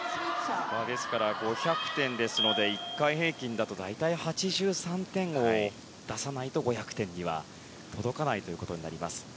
ですから５００点ですので１回平均だと大体８３点を出さないと５００点には届かないということになります。